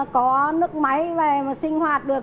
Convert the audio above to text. có nước máy về mà sinh hoạt được